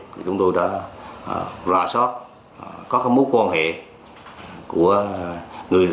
thì chúng tôi đã ra sốt các mối quan hệ của người